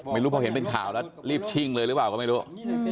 ไม่รู้พอเห็นเป็นข่าวแล้วรีบชิ่งเลยหรือเปล่าก็ไม่รู้